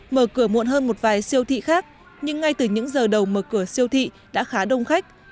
mở cửa muộn hơn một vài siêu thị khác nhưng ngay từ những giờ đầu mở cửa siêu thị đã khá đông khách